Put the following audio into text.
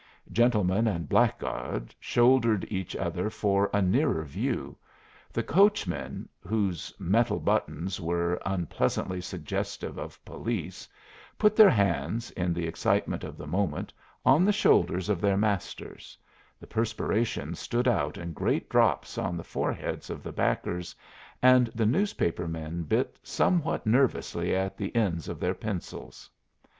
Gentleman and blackguard shouldered each other for a nearer view; the coachmen, whose metal buttons were unpleasantly suggestive of police, put their hands, in the excitement of the moment, on the shoulders of their masters; the perspiration stood out in great drops on the foreheads of the backers, and the newspaper men bit somewhat nervously at the ends of their pencils.